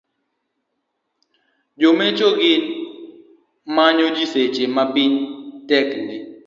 Jomecho gi mayo ji e seche mapiny tek ni.